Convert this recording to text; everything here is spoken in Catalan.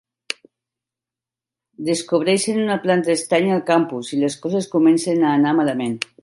Descobreixen una planta estranya al campus i les coses comencen a anar malament.